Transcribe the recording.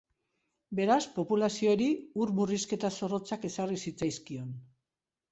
Beraz, populazioari ur murrizketa zorrotzak ezarri zitzaizkion.